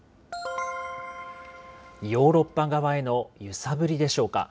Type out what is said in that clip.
ヨーロッパ側への揺さぶりでしょうか。